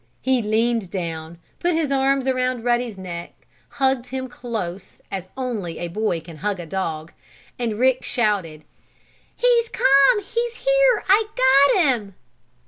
He leaned down, put his arms around Ruddy's neck, hugging him close, as only a boy can hug a dog, and Rick shouted. "He's come! He's here! I got him!"